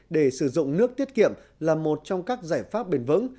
để sử dụng nước tiết kiệm là một trong các giải pháp bền vững